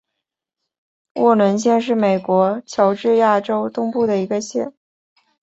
沃伦县是美国乔治亚州东部的一个县。